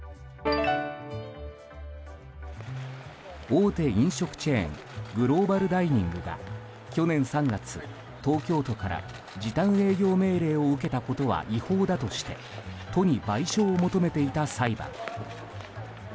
大手飲食チェーングローバルダイニングが去年３月東京都から時短営業命令を受けたことは違法だとして都に賠償を求めていた裁判。